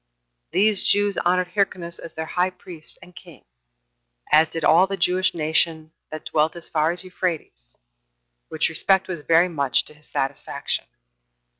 These Jews honored Hyrcanus as their high priest and king, as did all the Jewish nation that dwelt as far as Euphrates; which respect was very much to his satisfaction.